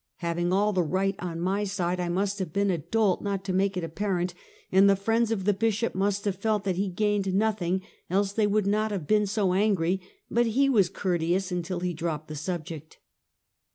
Having all the right on my side, I must have been a dolt not to make it apparent; and the friends of the Bishop must have felt that he gained nothing, else they would not have been so angry; but he was courteous until he dropped the subject.